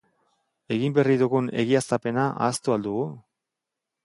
Egin berri dugun egiaztapena ahaztu ahal dugu?